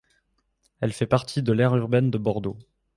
Elle fait partie de l'aire urbaine de Bordeaux.